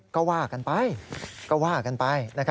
ก็ว่ากันไป